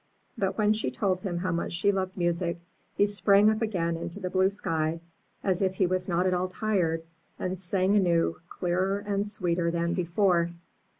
But when she told him how much she loved music, he sprang up again into the blue sky as if he was not at all tired, and sang anew, clearer and sweeter than before.